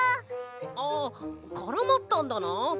あっからまったんだな！